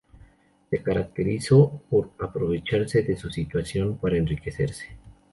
Se caracterizó por aprovecharse de su situación para enriquecerse.